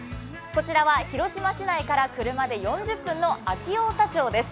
こちらは広島市内から車で４０分の安芸太田町です。